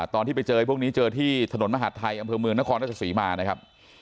ตอนที่ไปเจอพวกนี้เจอที่ถนนมหาดไทยอำเภอเมืองนครราชศรีมานะครับ